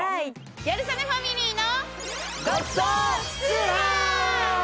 『ギャル曽根ファミリーの』。